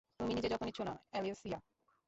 তুমি নিজের যত্ন নিচ্ছ না, অ্যালিসিয়া।